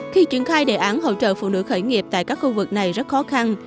khi triển khai đề án hỗ trợ phụ nữ khởi nghiệp tại các khu vực này rất khó khăn